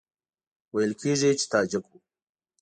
ویل کېږي چې تاجک وو.